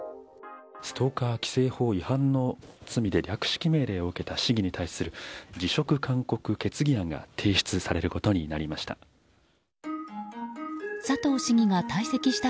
ストーカー規制法違反の罪で略式命令を受けた市議に対する辞職勧告決議案が提出されることになりました。